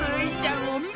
おみごと。